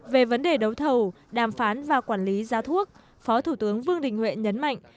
về vấn đề đấu thầu đàm phán và quản lý giá thuốc phó thủ tướng vương đình huệ nhấn mạnh